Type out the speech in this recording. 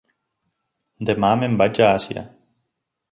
Demà me'n vaig a Àsia.